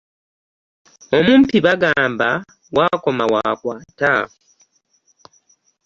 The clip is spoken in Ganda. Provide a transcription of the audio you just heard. Omumpi bagamba w'akoma w'akwata.